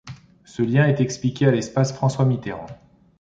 Ce lien est expliqué à l'Espace François-Mitterrand.